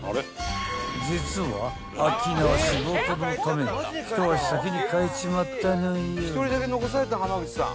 ［実はアッキーナは仕事のため一足先に帰っちまったのよ］